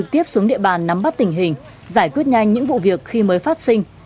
trong địa bàn nắm bắt tình hình giải quyết nhanh những vụ việc khi mới phát sinh